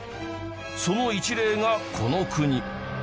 その一例がこの国